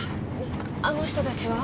あの人たちは？